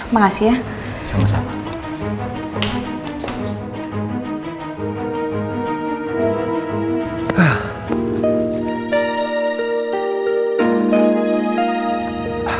makasih ya sama sama